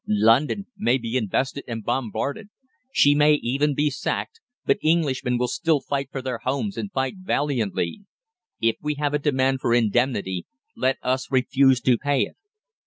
"London may be invested and bombarded. She may even be sacked, but Englishmen will still fight for their homes and fight valiantly. If we have a demand for indemnity let us refuse to pay it.